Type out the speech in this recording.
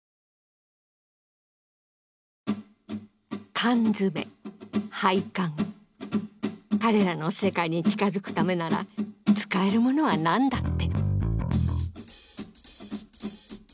缶詰配管彼らの世界に近づくためなら使えるものは何だって。